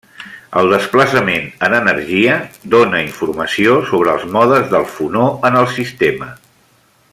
El desplaçament en energia dóna informació sobre els modes del fonó en el sistema.